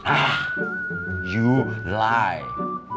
ah kamu menipu